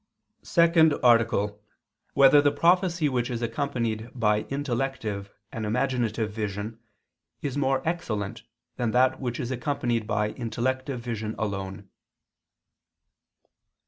_______________________ SECOND ARTICLE [II II, Q. 174, Art. 2] Whether the Prophecy Which Is Accompanied by Intellective and Imaginative Vision Is More Excellent Than That Which Is Accompanied by Intellective Vision Alone?